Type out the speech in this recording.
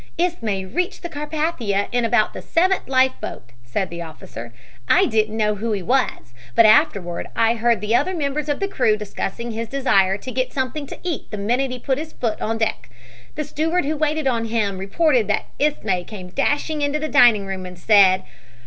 "Ismay reached the Carpathia in about the seventh life boat," said the officer. "I didn't know who he was, but afterward I heard the other members of the crew discussing his desire to get something to eat the minute he put his foot on deck. The steward who waited on him reported that Ismay came dashing into the dining room and said.